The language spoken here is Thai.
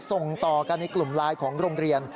ส่งต่อกันในกลุ่มไลน์ของโรงเรียน